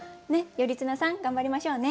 頼綱さん頑張りましょうね。